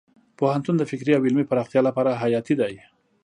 پوهنتون د فکري او علمي پراختیا لپاره حیاتي دی.